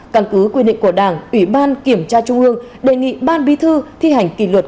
căn cứ quy định của đảng ủy ban kiểm tra trung ương đề nghị ban bí thư thi hành kỷ luật